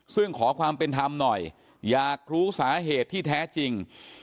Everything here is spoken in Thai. ซึ่งขอความเป็นธรรมหน่อยอยากรู้สาเหตุที่แท้จริง